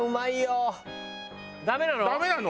ダメなの？